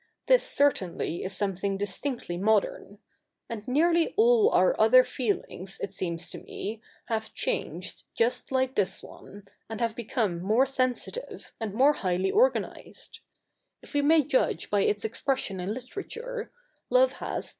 This certainly is something distinctly modern. And nearly all our other feelings, it seems to me, have changed just like this one, and have become more sensi tive, and more highly organised. If we may judge by its expression in literature, love has.